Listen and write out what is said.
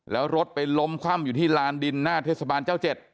แล้วรถไปล้มคว่ำอยู่ที่ลานดินหน้าเทศบาลเจ้าเจ็ด